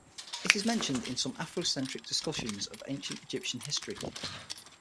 It is mentioned in some afrocentric discussions of ancient Egyptian history.